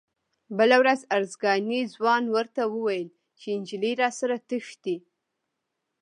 بله ورځ ارزګاني ځوان ورته وویل چې نجلۍ راسره تښتي.